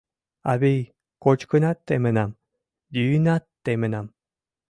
Авий, кочкынат темынам, йӱынат темынам.